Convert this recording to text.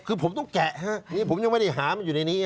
คือผมต้องแกะฮะนี่ผมยังไม่ได้หามันอยู่ในนี้